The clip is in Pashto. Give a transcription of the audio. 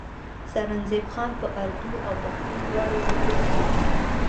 سرنزېب خان پۀ اردو او پښتو دواړو ژبو کښې